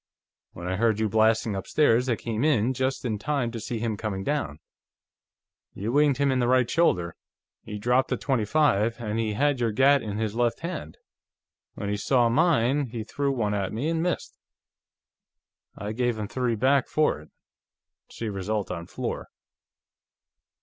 When I heard you blasting upstairs, I came in, just in time to see him coming down. You winged him in the right shoulder; he'd dropped the .25, and he had your gat in his left hand. When he saw mine, he threw one at me and missed; I gave him three back for it. See result on floor."